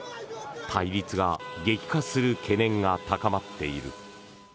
対立が激化する懸念が高まっている。